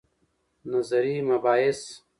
نظري مباحث